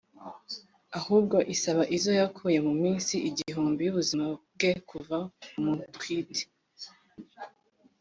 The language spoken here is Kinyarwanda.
ahubwo isaba izo yakuye mu minsi igihumbi y’ubuzima bwe kuva bamutwite